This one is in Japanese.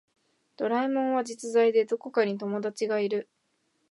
ドラえもんは実在でどこかに友達がいる